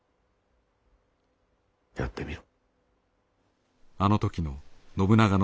やってみろ。